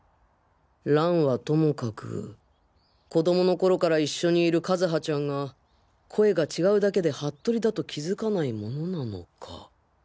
蘭はともかく子供の頃から一緒にいる和葉ちゃんが声が違うだけで服部だと気づかないものなのか？